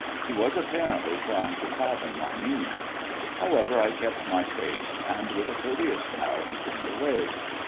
He was apparently trying to fathom my meaning. However, I kept my face, and with a courteous bow he turned away.